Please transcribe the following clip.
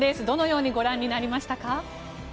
どのようにご覧になりましたか？